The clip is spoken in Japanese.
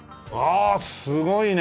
すごいね！